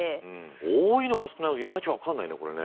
多いのか少ないのかいまいち分かんないね